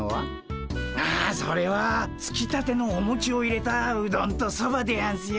あそれはつきたてのおもちを入れたうどんとそばでやんすよ。